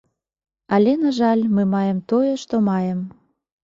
Але, на жаль, мы маем тое, што маем.